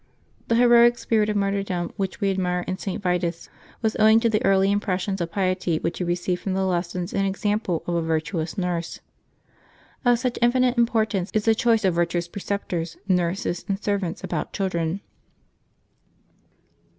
The heroic spirit of martvTdom which we admire in St. Vitus was owing to the early impressions of piety which he received from the lessons and example of a virtuous nurse. Of such infinite importance is the choice of virtuous preceptors, nurses, and servants about children.